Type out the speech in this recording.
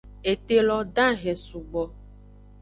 Ete lo dahen sugbo.